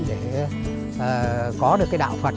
để có được cái đạo phật